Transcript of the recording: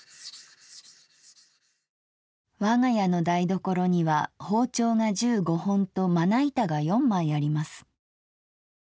「わが家の台所には包丁が十五本とまな板が四枚あります。